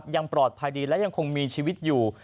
ยังปลอดภัยดีและยังคงมีชีวิตอยู่